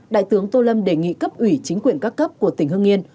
đại tướng tô lâm đề nghị cấp ủy chính quyền các cấp của tỉnh hưng yên